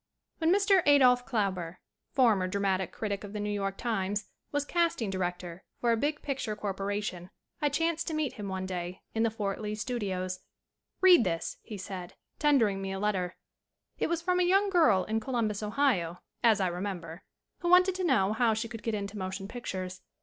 WHEN MR. ADOLPH KLAUBER, former dra matic critic of the New York Times, was cast ing director for a big picture corporation I chanced to meet him one day in the Fort Lee Studios. "Read this," he said, tendering me a letter. It was from a young girl in Columbus, Ohio, as I remember, who wanted to know how she could get into motion pictures.